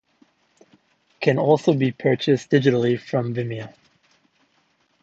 Can also be purchased digitally from Vimeo.